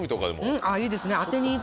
いいですね。